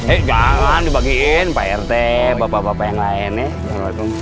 eh jangan dibagiin pak rt bapak bapak yang lainnya